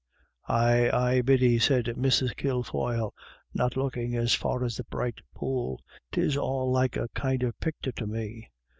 " Aye, aye, Biddy," said Mrs. Kilfoyle, not look ing as far 2ls the bright pool, " 'tis all like a kind of picter to me.